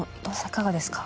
いかがですか？